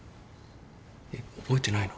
えっ覚えてないの？